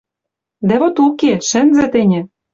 Дӓ вот уке! Шӹнзӹ тӹньӹ.